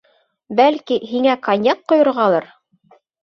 Бәлки, һиңә коньяк ҡойорғалыр?